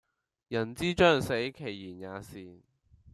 人之將死其言也善